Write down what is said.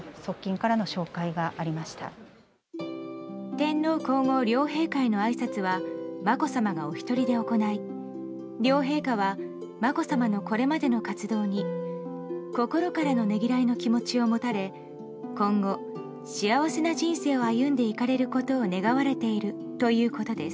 天皇・皇后両陛下へのあいさつはまこさまが、お一人で行い両陛下はまこさまのこれまでの活動に心からのねぎらいの気持ちを持たれ今後、幸せな人生を歩んでいかれることを願われているということです。